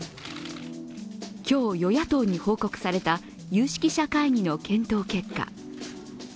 今日与野党に報告された有識者会議の検討結果。